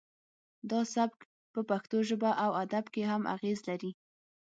دا سبک په پښتو ژبه او ادب کې هم اغیز لري